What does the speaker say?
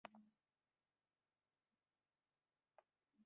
Tessers yiwet n tkamra n tɣellist.